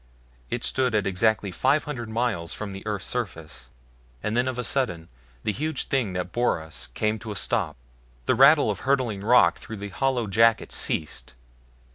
It stood at exactly five hundred miles from the earth's surface and then of a sudden the huge thing that bore us came to a stop. The rattle of hurtling rock through the hollow jacket ceased.